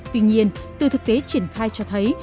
tuy nhiên từ thực tế triển khai cho thấy